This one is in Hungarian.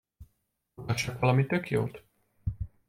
Mutassak valami tök jót?